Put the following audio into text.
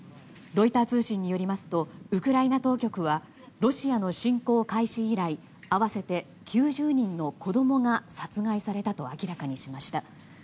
ロイター通信によりますとウクライナ当局はロシアの侵攻開始以来合わせて９０人の子供が殺害されたと明らかにしました。